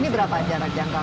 ini berapa jarak jangkau